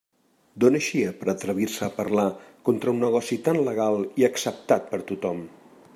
D'on eixia per a atrevir-se a parlar contra un negoci tan legal i acceptat per tothom?